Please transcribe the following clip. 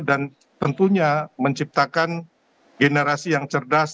dan tentunya menciptakan generasi yang cerdas